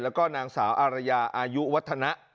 แล้วก็นางสาวอารยาอายุวัฒนะ